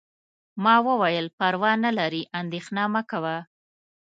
ما وویل: پروا نه لري، اندیښنه مه کوه.